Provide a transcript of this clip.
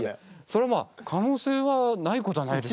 それはまあ可能性はないことはないでしょう。